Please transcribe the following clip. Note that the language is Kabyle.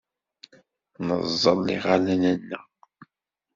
Neẓẓel iɣallen-nneɣ.